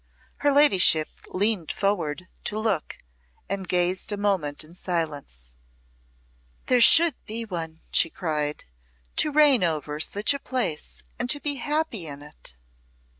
Her ladyship leaned forward to look, and gazed a moment in silence. "There should be one," she cried, "to reign over such a place, and to be happy in it."